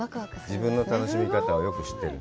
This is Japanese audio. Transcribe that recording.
自分の楽しみ方をよく知ってる。